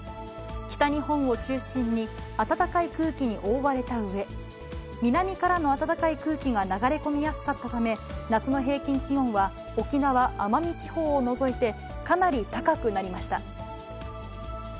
北日本を中心に暖かい空気に覆われたうえ、南からの暖かい空気が流れ込みやすかったため、夏の平均気温は沖縄・奄美地方を除いて、かなり高くなりました。